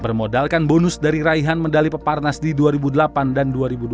bermodalkan bonus dari raihan medali peparnas di dua ribu delapan dan dua ribu dua puluh